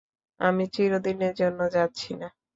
আমি চিরদিনের জন্য যাচ্ছি না।